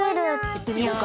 いってみようか。